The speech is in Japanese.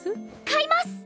買います！